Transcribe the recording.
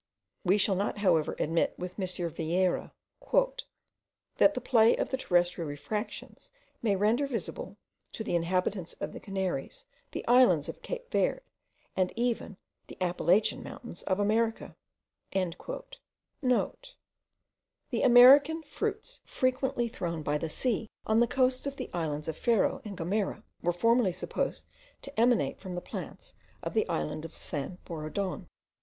We shall not however admit with M. Vieyra, "that the play of the terrestrial refractions may render visible to the inhabitants of the Canaries the islands of Cape Verd, and even the Apalachian mountains of America."* (* The American fruits, frequently thrown by the sea on the coasts of the islands of Ferro and Gomera, were formerly supposed to emanate from the plants of the island of San Borondon.